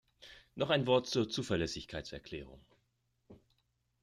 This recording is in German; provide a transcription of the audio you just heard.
Noch ein Wort zur Zuverlässigkeitserklärung.